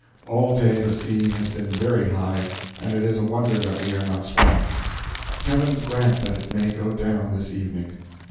All day the sea has been very high, and it is a wonder that we are not swamped. Heaven grant that it may go down this evening!